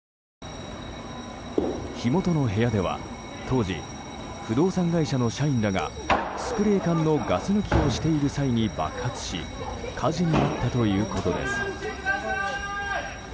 火元の部屋では当時、不動産会社の社員らがスプレー缶のガス抜きをしている際に爆発し火事になったということです。